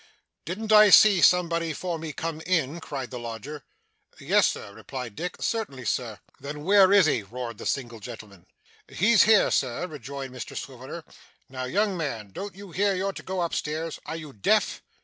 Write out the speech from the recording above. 'Didn't I see somebody for me, come in?' cried the lodger. 'Yes, Sir,' replied Dick. 'Certainly, Sir.' 'Then where is he?' roared the single gentleman. 'He's here, sir,' rejoined Mr Swiveller. 'Now young man, don't you hear you're to go up stairs? Are you deaf?